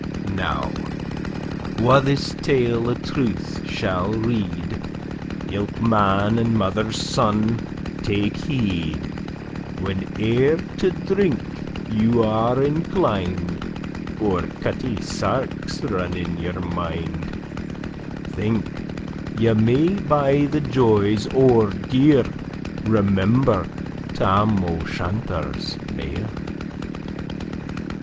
Now, wha this tale o' truth shall read, Ilk man and mother's son, take heed; Whene'er to drink you are inclin'd, Or cutty sarks run in your mind, Think, ye may buy the joys o'er dear, Remember Tam o' Shanter's mare.